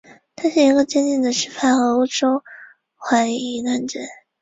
所以一期工程仅剩引渠进水闸需要修建。